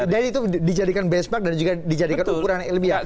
dan itu dijadikan benchmark dan juga dijadikan ukuran ilmiah